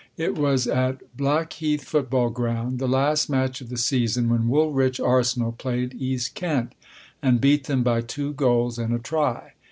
It was at Blackheath Football Ground, the last match of the season, when Woolwich Arsenal \ played East Kent and beat them by two goals and a try.